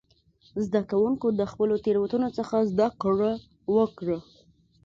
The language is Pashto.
زده کوونکو د خپلو تېروتنو څخه زده کړه وکړه.